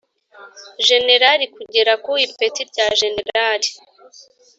Jenerali kugera ku ipeti rya jenerali